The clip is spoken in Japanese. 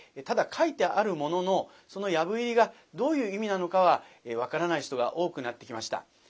ただ書いてあるもののその藪入りがどういう意味なのかは分からない人が多くなってきました。